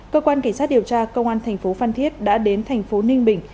cơ quan cảnh sát điều tra công an tp phan thiết đã đến tp ninh bình